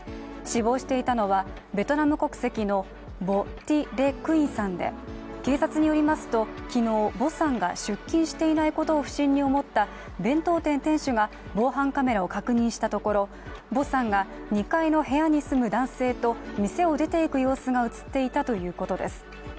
死亡していたのはベトナム国籍のヴォ・ティ・レ・クインさんで警察によりますと、昨日、ヴォさんが出勤していないことを不審に思った弁当店店主が防犯カメラを確認したところヴォさんが２階の部屋に住む男性と店を出ていく様子が映っていたということです。